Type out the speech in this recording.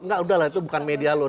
enggak udah lah itu bukan media loh